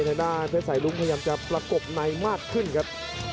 สถานการณ์เพศไสรุ้งพยายามจะประกบในมากขึ้นครับ